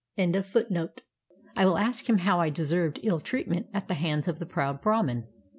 I will ask him how I deserved ill treatment at the hands of the proud Brahman."